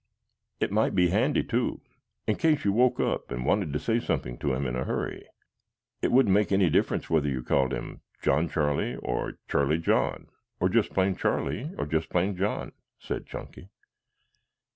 "It might be handy, too. In case you woke up and wanted to say something to him in a hurry, it wouldn't make any difference whether you called him John Charlie or Charlie John or just plain Charlie or just plain John," said Chunky.